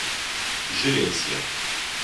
gerência